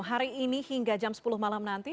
hari ini hingga jam sepuluh malam nanti